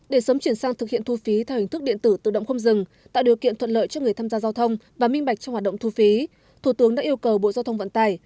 để sớm chuyển sang thực hiện thu phí theo hình thức điện tử tự động không dừng tạo điều kiện thuận lợi cho người tham gia giao thông và minh bạch trong hoạt động thu phí thủ tướng đã yêu cầu bộ giao thông vận tải